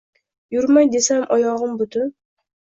Yurmay desam, oyog’im butun.